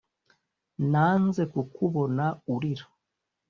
nanze kukubona urira,